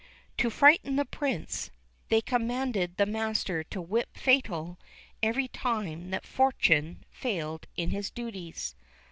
To frighten the Prince, they commanded the master to whip Fatal every time that Fortuné failed in his duties.